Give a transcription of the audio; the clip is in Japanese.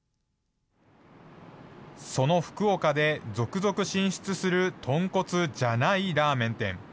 その福岡で続々進出する豚骨じゃないラーメン店。